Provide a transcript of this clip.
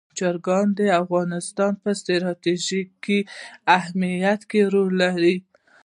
چرګان د افغانستان په ستراتیژیک اهمیت کې رول لري.